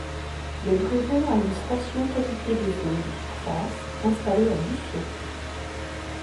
Le Brevon a une station qualité des eaux de surface installée à Busseaut.